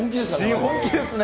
本気ですね。